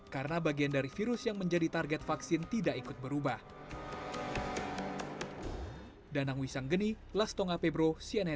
karena bagian dari virus yang menjadi target vaksin tidak ikut berubah